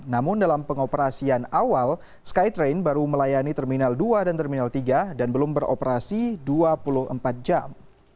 namun dalam pengoperasian awal skytrain baru melayani terminal dua dan terminal tiga dan belum beroperasi dua puluh empat jam